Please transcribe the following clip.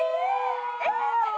えっ！